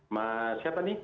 mas siapa nih